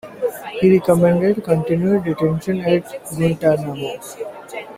He recommended continued detention at Guantanamo.